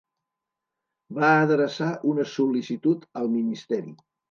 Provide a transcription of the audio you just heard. Va adreçar una sol·licitud al ministeri.